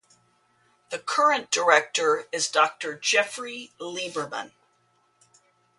The current director is Doctor Jeffrey Lieberman.